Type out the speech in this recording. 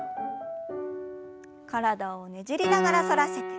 体をねじりながら反らせて。